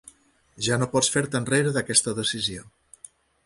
Ja no pots fer-te enrere d'aquesta decisió.